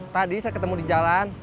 tadi saya ketemu di jalan